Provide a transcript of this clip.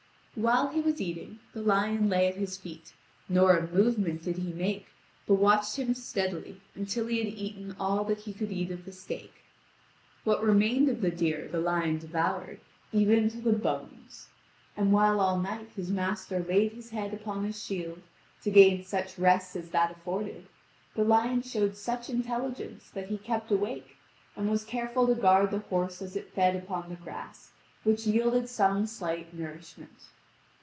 While he was eating, the lion lay at his feet; nor a movement did he make, but watched him steadily until he had eaten all that he could eat of the steak. What remained of the deer the lion devoured, even to the bones. And while all night his master laid his head upon his shield to gain such rest as that afforded, the lion showed such intelligence that he kept awake, and was careful to guard the horse as it fed upon the grass, which yielded some slight nourishment.